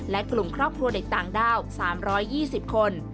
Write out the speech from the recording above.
และกลุ่มครอบครัวเด็กต่างด้าว๓๒๐คน